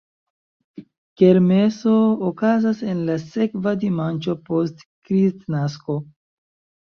Kermeso okazas en la sekva dimanĉo post Kristnasko.